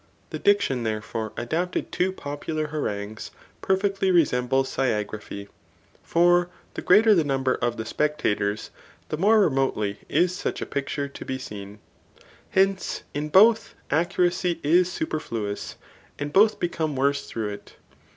The diction thereifore adapted to popular harangues perfectly resembles sciagraphy ;* for the greater the number of the spectators, the more remotely is such a picture to be seen. Hence, in both accuracy is super fluous, and both become worse through it.